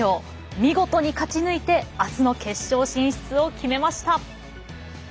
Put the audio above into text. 見事に勝ちぬいてあすの決勝進出を決めました。